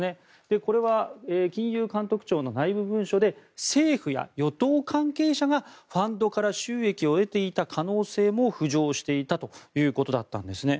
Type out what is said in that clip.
これは金融監督庁の文書で政府や与党関係者がファンドから収益を得ていた可能性も浮上していたということだったんですね。